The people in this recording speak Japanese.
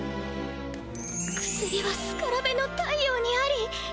「薬はスカラベの太陽にあり」。